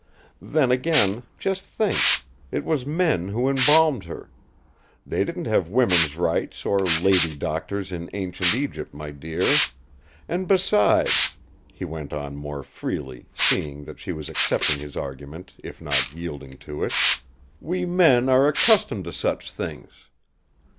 Then again, just think; it was men who embalmed her. They didn't have women's rights or lady doctors in ancient Egypt, my dear! And besides," he went on more freely, seeing that she was accepting his argument, if not yielding to it, "we men are accustomed to such things.